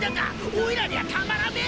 おいらにはたまらねえ